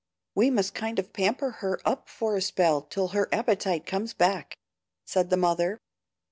We must kind of pamper her up for a spell till her appetite comes back," said the mother.